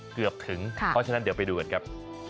เกือบถึงเพราะฉะนั้นเดี๋ยวไปดูกันครับ